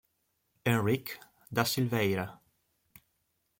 Henrique da Silveira